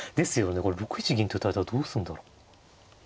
これ６一銀と打たれたらどうするんだろう。